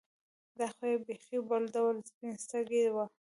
دا خو یې بېخي بل ډول سپین سترګي وه.